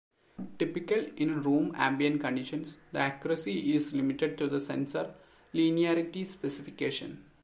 Typically in room ambient conditions the accuracy is limited to the sensor linearity specification.